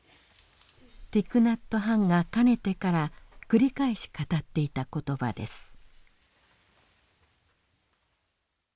ティク・ナット・ハンがかねてから繰り返し語っていた言葉です。